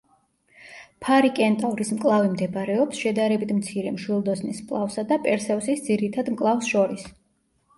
ფარი-კენტავრის მკლავი მდებარეობს შედარებით მცირე მშვილდოსნის მკლავსა და პერსევსის ძირითად მკლავს შორის.